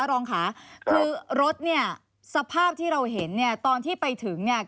รองค่ะคือรถเนี่ยสภาพที่เราเห็นเนี่ยตอนที่ไปถึงเนี่ย